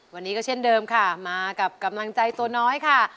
วันนี้ก็เช่นเดิมค่ะมากับกำลังใจตัวน้อยค่ะ